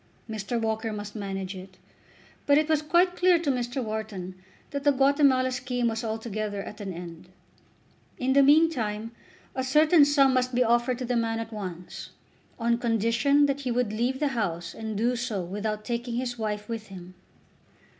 Mr. Walker must manage it, but it was quite clear to Mr. Wharton that the Guatemala scheme was altogether at an end. In the meantime a certain sum must be offered to the man at once, on condition that he would leave the house and do so without taking his wife with him.